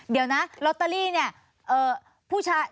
เดี๋ยวนะลอตเตอรี่เนี่ย